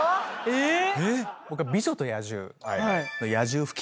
えっ⁉